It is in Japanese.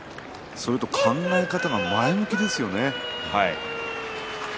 それと、考え方も前向きですよね。